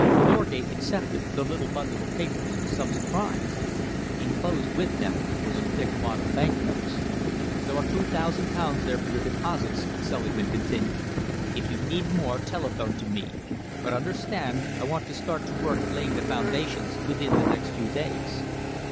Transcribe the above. Norgate accepted the little bundle of papers with some surprise. Enclosed with them was a thick wad of bank notes. "There are two thousand pounds there for your deposits," Selingman continued. "If you need more, telephone to me, but understand I want to start to work laying the foundations within the next few days."